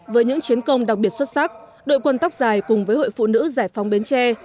với những chiến công đặc biệt xuất sắc đội quân tóc dài cùng với hội phụ nữ giải phóng bến tre